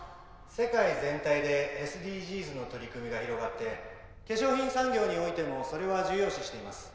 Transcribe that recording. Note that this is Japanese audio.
世界全体でＳＤＧｓの取り組みが広がって化粧品産業においてもそれは重要視しています。